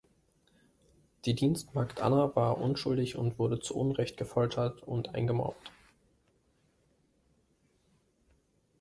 Die Dienstmagd Anna war unschuldig und wurde zu Unrecht gefoltert und eingemauert.